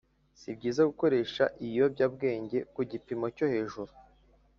sibyiza gukoresha ibiyobyabwenge ku gipimo cyo hejuru